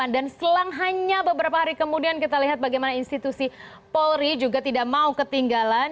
dan selang hanya beberapa hari kemudian kita lihat bagaimana institusi polri juga tidak mau ketinggalan